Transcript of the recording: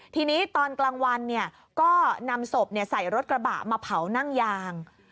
ทีนี้ตอนกลางวันก็นำศพใส่รถกระบะมาเผานั่งยาง